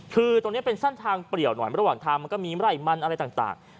คือตรงนี้เป็นเส้นทางเปรียวหน่อยระหว่างทางมันก็มีไร่มันอะไรต่าง